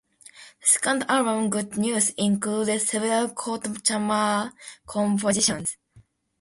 The second album "Good News" included several Kortchmar compositions.